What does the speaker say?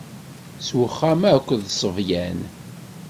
S uxxam akk d ṣṣebyan.